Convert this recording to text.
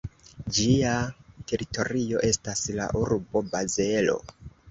Ĝia teritorio estas la urbo Bazelo.